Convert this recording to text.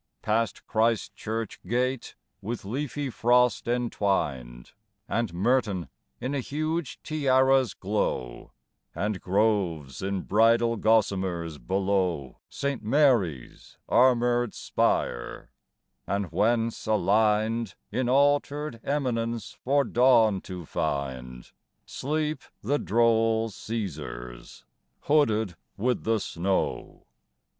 Past Christchurch gate, with leafy frost entwined, And Merton in a huge tiara's glow, And groves in bridal gossamers below Saint Mary's armoured spire; and whence aligned In altered eminence for dawn to find, Sleep the droll Cæsars, hooded with the snow.